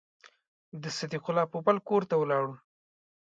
د صدیق الله پوپل کور ته ولاړو.